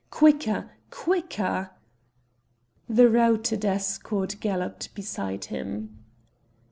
quicker! quicker!" The routed escort galloped beside him.